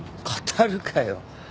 語るかよ。